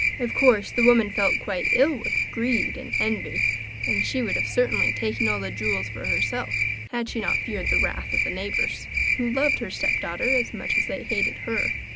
Of course the woman felt quite ill with greed and envy, and she would have certainly taken all the jewels for herself had she not feared the wrath of the neighbours, who loved her stepdaughter as much as they hated her.